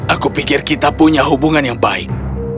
aku pikir kita punya hubungan yang baik